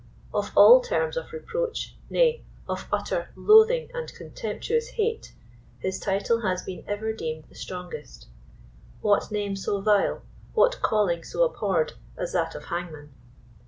Of all terms of reproach, nay, of utter loathing and contemptuous hate, his title has been ever deemed the strongest. What name so vile, what calling so abhorred, as that of hangman?